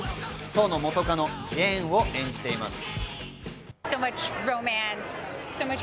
ソーの元カノ・ジェーンを演じています。